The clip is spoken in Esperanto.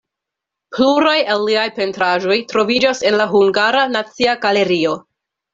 Pluraj el liaj pentraĵoj troviĝas en la Hungara Nacia Galerio.